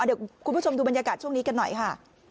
เดี๋ยวคุณผู้ชมดูบรรยากาศช่วงนี้กันหน่อยค่ะ